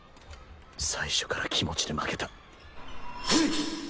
最初から気持ちで負けた。